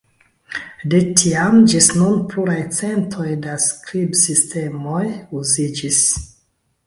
De tiam ĝis nun pluraj centoj da skribsistemoj uziĝis.